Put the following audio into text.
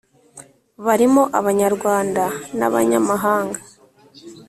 barimo abanyarwanda n’abanyamahanga